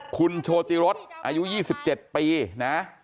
คุณโชติรสอายุ๒๗ปีนะ